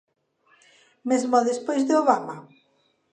-Mesmo despois de Obama?